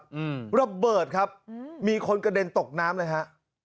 อืมระเบิดครับอืมมีคนกระเด็นตกน้ำเลยฮะ